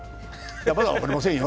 まだ分かりませんよ。